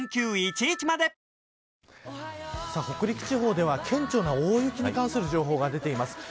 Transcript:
地方では顕著な大雪に関する情報が出ています。